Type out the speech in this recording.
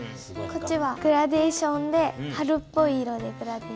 こっちはグラデーションで春っぽい色でグラデーション。